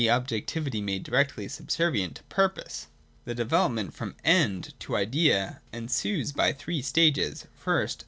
objectivity made directly subservient to purpose. The development from End to Idea ensues by three stages, first.